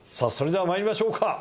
それではまいりましょうか。